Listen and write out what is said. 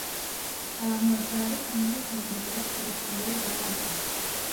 Abantu batabarika muri iki gihe bakurikiye Bali